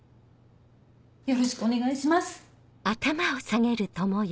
よろしくお願いします。